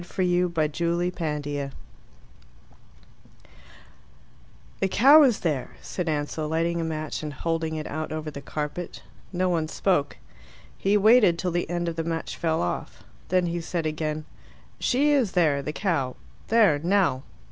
Forster PART 1 CAMBRIDGE I "The cow is there," said Ansell, lighting a match and holding it out over the carpet. No one spoke. He waited till the end of the match fell off. Then he said again, "She is there, the cow. There, now."